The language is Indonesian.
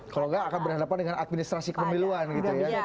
kalau tidak akan berhadapan dengan administrasi kemuliaan gitu ya